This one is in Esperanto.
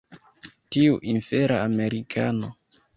Tiu infera Amerikano!